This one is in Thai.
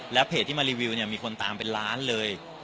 และเพจที่มารีวิวมีคนตามเป็นร้านเลย